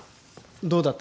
どうだった？